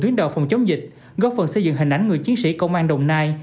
tuyến đầu phòng chống dịch góp phần xây dựng hình ảnh người chiến sĩ công an đồng nai